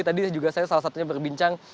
tadi juga saya salah satunya berbincang